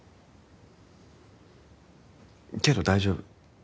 けど大丈夫。